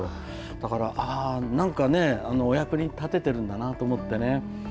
だからああ、なんかね、お役に立ててるんだなと思ってね。